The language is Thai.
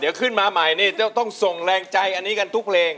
เดี๋ยวขึ้นมาใหม่ต้องส่งแรงใจกันทุกเพลง